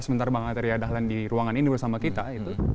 sementara bang arteria dahlan di ruangan ini bersama kita